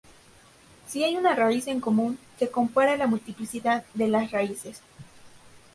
Si hay una raíz en común, se compara la multiplicidad de las raíces.